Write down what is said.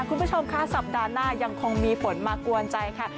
คุณผู้ชมค่ะสัปดาห์หน้ายังคงมีฝนมากวนใจค่ะ